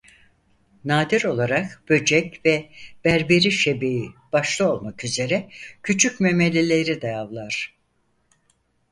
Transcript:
Nadir olarak böcek ve Berberi şebeği başta olmak üzere küçük memelileri de avlar.